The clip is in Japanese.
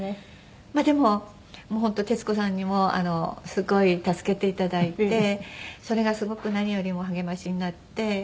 でも本当徹子さんにもすごい助けて頂いてそれがすごく何よりも励ましになって。